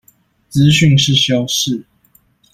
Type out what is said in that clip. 資訊是修飾